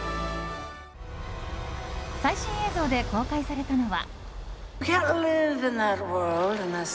最新映像で公開されたのは。